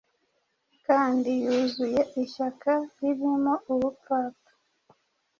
kandi yuzuye ishyaka ririmo ubupfapfa,